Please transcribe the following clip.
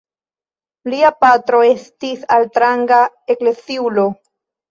Lia patro estis altranga ekleziulo.